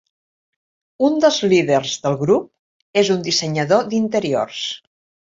Un dels líders del grup és un dissenyador d'interiors.